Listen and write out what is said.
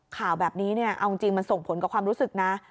ข่าวแบบนี้เนี่ยเอาจริงมันส่งผลกับความรู้สึกนะ